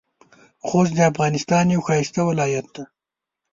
خوست د افغانستان یو ښایسته ولایت دی.